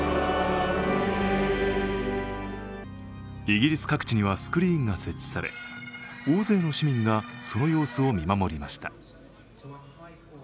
イギリス各地にはスクリーンが設置され、大勢の市民がその様子を見守りました。